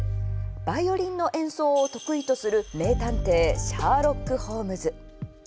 バイオリンの演奏を得意とする名探偵シャーロック・ホームズ。